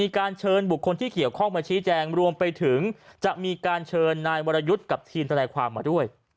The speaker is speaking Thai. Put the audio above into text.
การเชิญบุคคลที่เกี่ยวข้องมาชี้แจงรวมไปถึงจะมีการเชิญนายวรยุทธ์กับทีมทนายความมาด้วย